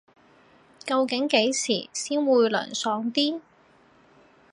究竟幾時先會涼爽啲